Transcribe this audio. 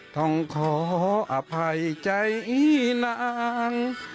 ต้องขออภัยใจอีนาง